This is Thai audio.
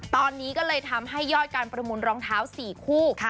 ตอนนี้ก็เลยทำให้ยอดการประมูลรองเท้า๔คู่